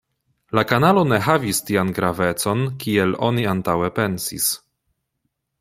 La kanalo ne havis tian gravecon, kiel oni antaŭe pensis.